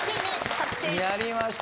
やりました。